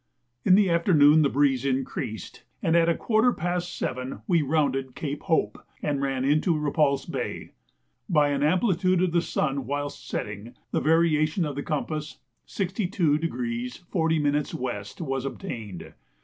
In the afternoon the breeze increased, and at a quarter past seven we rounded Cape Hope, and ran into Repulse Bay. By an amplitude of the sun whilst setting, the variation of the compass 62° 40' W. was obtained.